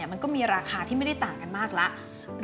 มันก็มีราคาที่ไม่ได้ต่างกันมากแล้ว